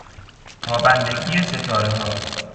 تابندگی ستارهها